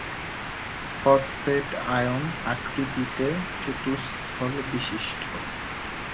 Phosphate ion আকৃতিতে চতুস্তলবিশিষ্ট।